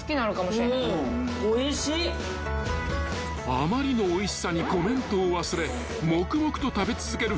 ［あまりのおいしさにコメントを忘れ黙々と食べ続ける福本］